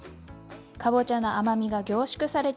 かぼちゃの甘みが凝縮されています。